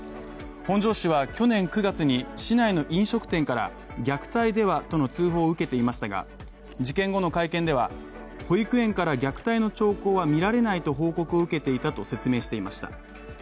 本庄市は去年９月に市内の飲食店から虐待ではとの通報を受けていましたが事件後の会見では保育園から虐待の兆候は見られないと報告を受けていたと説明していました。